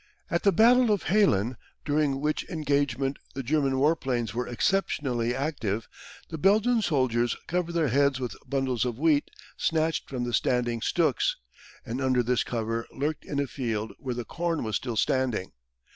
At the battle of Haelen, during which engagement the German warplanes were exceptionally active, the Belgian soldiers covered their heads with bundles of wheat snatched from the standing stooks, and under this cover lurked in a field where the corn was still standing.